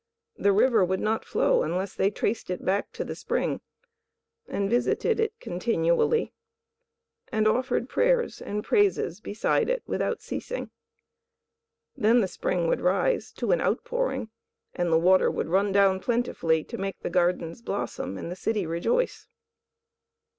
The river would not flow unless they traced it back to the spring, and visited it continually, and offered prayers and praises beside it without ceasing. Then the spring would rise to an outpouring, and the water would run down plentifully to make the gardens blossom and the city rejoice.